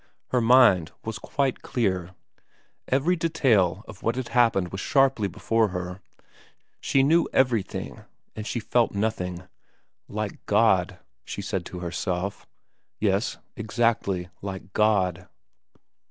Her mind was quite clear. Every detail of i VERA 5 what had happened was sharply before her. She knew everything, and she felt nothing, like God, she said to herself ; yes, exactly like God.